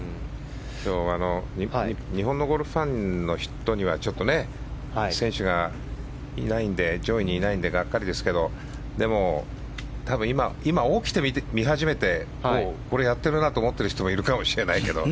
今日、日本のゴルフファンの人には選手が上位にいないのでがっかりですけど今、起きて見始めてこれ、やってるなと思ってる人いるかもしれないけど。